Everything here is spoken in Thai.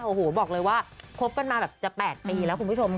โอ้โหบอกเลยว่าคบกันมาแบบจะ๘ปีแล้วคุณผู้ชมค่ะ